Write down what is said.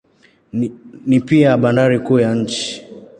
Ni pia bandari kuu ya nchi.